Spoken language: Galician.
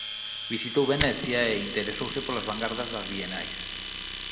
Visitou Venecia e interesouse polas vangardas das bienais.